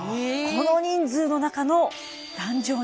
この人数の中の壇上に。